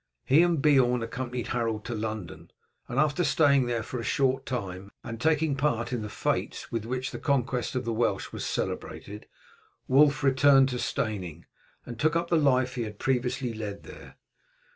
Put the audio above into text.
He and Beorn accompanied Harold to London, and after staying there for a short time, and taking part in the fetes with which the conquest of the Welsh was celebrated, Wulf returned to Steyning and took up the life he had previously led there.